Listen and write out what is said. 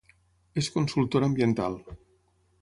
És consultora ambiental.